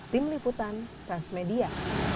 tim liputan transmedia